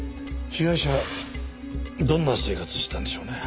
被害者はどんな生活してたんでしょうね？